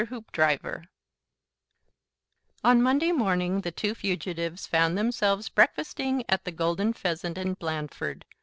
HOOPDRIVER On Monday morning the two fugitives found themselves breakfasting at the Golden Pheasant in Blandford.